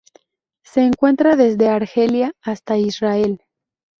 Se encuentra desde Argelia hasta Israel.